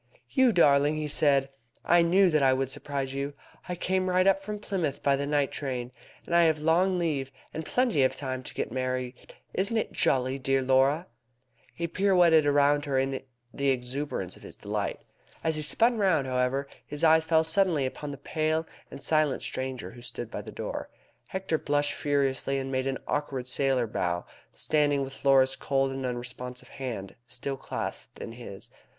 "You darling!" he said; "I knew that I would surprise you. I came right up from Plymouth by the night train. And I have long leave, and plenty of time to get married. Isn't it jolly, dear Laura?" He pirouetted round with her in the exuberance of his delight. As he spun round, however, his eyes fell suddenly upon the pale and silent stranger who stood by the door. Hector blushed furiously, and made an awkward sailor bow, standing with Laura's cold and unresponsive hand still clasped in his.